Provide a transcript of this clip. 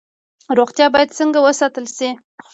روغتیا باید څنګه وساتل شي؟